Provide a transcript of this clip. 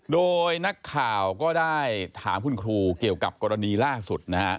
โดยนักข่าวก็ได้ถามคุณครูเกี่ยวกับกรณีล่าสุดนะฮะ